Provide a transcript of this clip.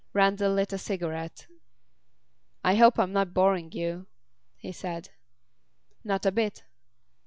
Randall lit a cigarette. "I hope I'm not boring you," he said. "Not a bit."